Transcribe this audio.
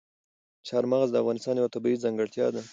چار مغز د افغانستان یوه طبیعي ځانګړتیا ده.